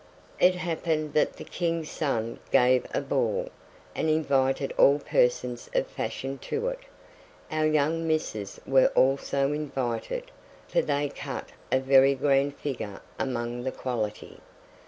It happened that the King's son gave a ball, and invited all persons of fashion to it. Our young misses were also invited, for they cut a very grand figure among the quality.